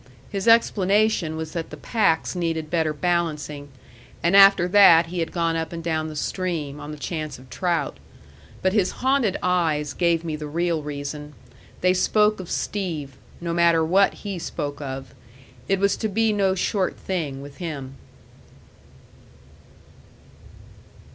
His explanation was that the packs needed better balancing, and after that he had gone up and down the stream on the chance of trout. But his haunted eyes gave me the real reason they spoke of Steve, no matter what he spoke of; it was to be no short thing with him.